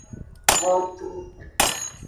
Hontru.